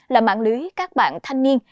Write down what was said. là mạng lưới các bạn thanh niên